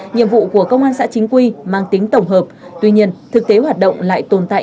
nhiệm vụ của công an xã chính quy mang tính tổng hợp tuy nhiên thực tế hoạt động lại tồn tại